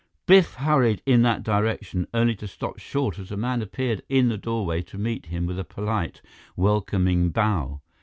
Biff hurried in that direction, only to stop short as a man appeared in the doorway to meet him with a polite, welcoming bow.